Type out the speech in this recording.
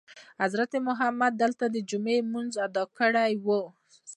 حضرت محمد دلته دجمعې لمونځ ادا کړی وو.